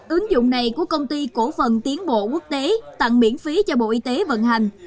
ứng dụng này của công ty cổ phần tiến bộ quốc tế tặng miễn phí cho bộ y tế vận hành